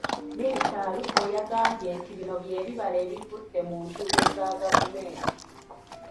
Minisita Alupo yagambye nti bino by'ebibala ebivudde mu ntuuyo za gavumenti.